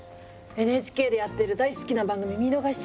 ＮＨＫでやってる大好きな番組見逃しちゃったのよ。